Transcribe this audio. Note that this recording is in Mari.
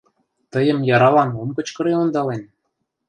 Тыйым яралан ом кычкыре ондален.